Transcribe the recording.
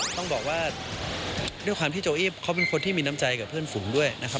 ต้องบอกว่าด้วยความที่โจอีฟเขาเป็นคนที่มีน้ำใจกับเพื่อนฝูงด้วยนะครับ